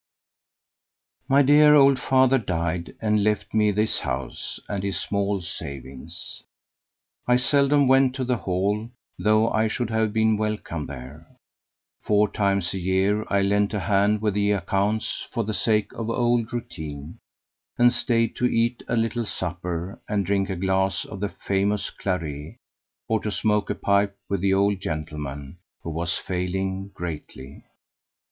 My dear old father died and left me this house and his small savings. I seldom went to the Hall, though I should have been welcome there. Four times a year I lent a hand with the accounts for the sake of old routine, and stayed to eat a little supper and drink a glass of the famous claret, or to smoke a pipe with the old gentleman, who was failing greatly.